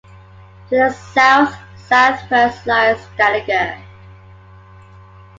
To the south-southwest lies Scaliger.